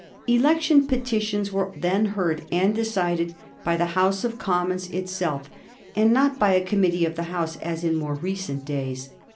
Election petitions were then heard and decided by the House of Commons itself, and not by a committee of the House, as in more recent days.